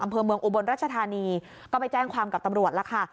อำเภอเมืองอุบลรัชธานีก็ไปแจ้งความกับตำรวจแล้วค่ะ